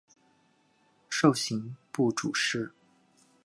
授刑部主事。